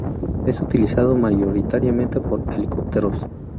Es utilizado mayoritariamente por helicópteros.